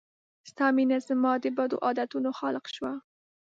ستا مينه زما د بدو عادتونو خالق شوه